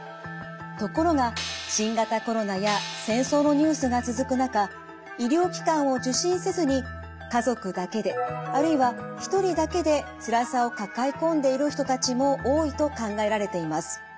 ところが新型コロナや戦争のニュースが続く中医療機関を受診せずに家族だけであるいはひとりだけでつらさを抱え込んでいる人たちも多いと考えられています。